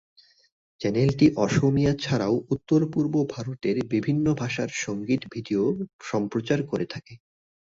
চ্যানেলটি অসমীয়া ছাড়াও উত্তর-পূর্ব ভারতের বিভিন্ন ভাষার সঙ্গীত ভিডিও সম্প্রচার করে থাকে।